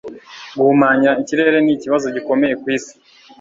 Guhumanya ikirere nikibazo gikomeye kwisi.